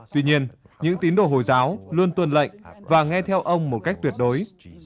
tuy nhiên những tín đồ hồi giáo luôn tuân lệnh và nghe theo ông một cách tuyệt đối